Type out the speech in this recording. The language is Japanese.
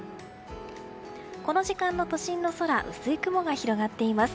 この時間の都心の空薄い雲が広がっています。